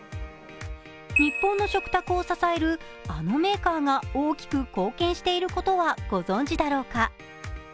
日本の食卓を支えるあのメーカーが大きく貢献していることはご存じだろうか？